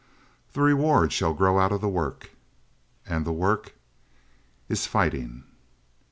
"The reward shall grow out of the work." "And the work?" "Is fighting."